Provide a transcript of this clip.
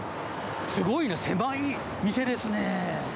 すごいな、狭い店ですね。